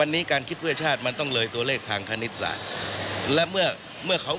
กรณีนี้ทางด้านของประธานกรกฎาได้ออกมาพูดแล้ว